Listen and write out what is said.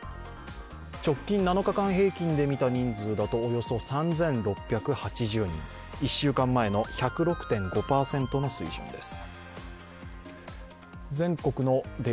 直近７日間平均で見た人数だとおよそ３６８０人、１週間前の１０６．５％の水準です。